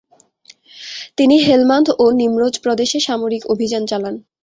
তিনি হেলমান্দ ও নিমরোজ প্রদেশে সামরিক অভিযান চালান।